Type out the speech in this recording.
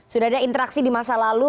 sudah ada interaksi di masa lalu